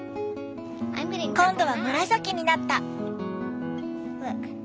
今度は紫になった！